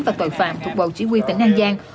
và tội phạm thuộc bộ chỉ huy tỉnh an giang